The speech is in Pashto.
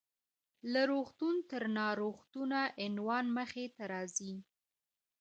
له روغتون تر ناروغتونه: عنوان مخې ته راځي .